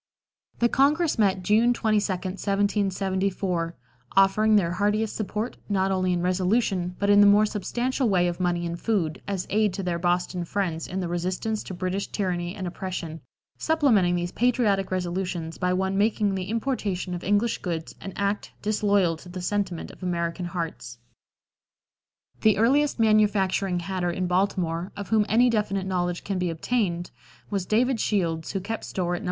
The congress met June 22, 1774, offering their heartiest support not only in resolution, but in the more substantial way of money and food, as aid to their Boston friends in the resistance to British tyranny and oppression, supplementing these patriotic resolutions by one making the importation of English goods an act disloyal to the sentiment of American hearts. The earliest manufacturing hatter in Baltimore, of whom any definite knowledge can be obtained, was David Shields, who kept store at No.